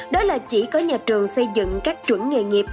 đó là chỉ có nhà trường xây dựng các chuẩn nghề nghiệp